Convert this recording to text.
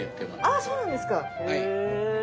あぁそうなんですかへぇ。